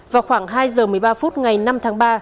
vào khoảng hai giờ một mươi ba phút ngày năm tháng ba